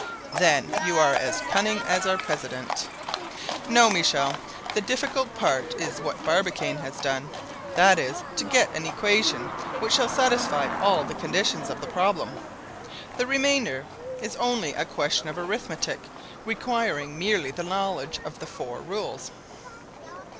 "Then you are as cunning as our president." "No, Michel; the difficult part is what Barbicane has done; that is, to get an equation which shall satisfy all the conditions of the problem. The remainder is only a question of arithmetic, requiring merely the knowledge of the four rules."